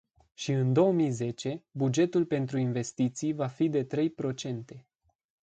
Și în două mii zece, bugetul pentru investiții va fi de trei procente.